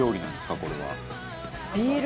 これは。